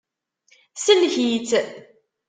Sellek-itt.